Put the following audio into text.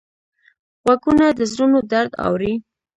غوږونه د زړونو درد اوري